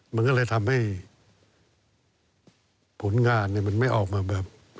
มันก็เลยทำให้ผลงานมันไม่ออกมาแบบ